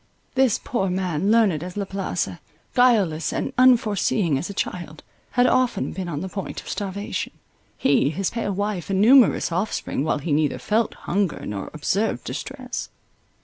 This poor man, learned as La Place, guileless and unforeseeing as a child, had often been on the point of starvation, he, his pale wife and numerous offspring, while he neither felt hunger, nor observed distress.